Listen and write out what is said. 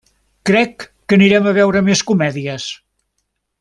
Crec que anirem a veure més comèdies.